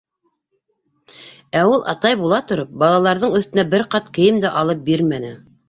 Ә ул, атай була тороп, балаларҙың өҫтөнә бер ҡат кейем дә алып бирмәне.